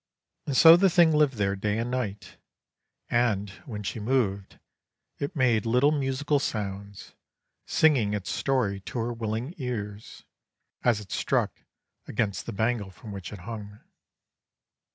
And so the thing lived there day and night, and, when she moved, it made little musical sounds, singing its story to her willing ears, as it struck against the bangle from which it hung.